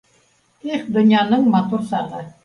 Их, донъяның матур сағы